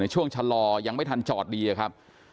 ช่วงชะลอยังไม่ทันจอดดีครับ